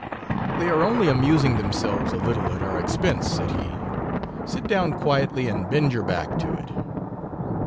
They are only amusing themselves a little at our ex pense, said he; sit down quietly and bend your back to it.